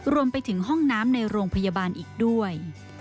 รวมไปถึงห้องน้ำในโรงพยาบาลอีกด้วย